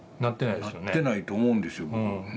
なってないと思うんですよ。